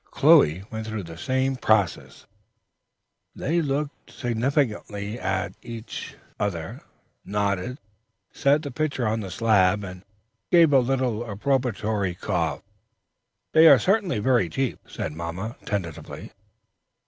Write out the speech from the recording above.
Chloe went through the same process; they looked significantly at each other, nodded, set the pitchers on the slab, and gave a little approbatory cough. "They are certainly very cheap," said mamma, tentatively.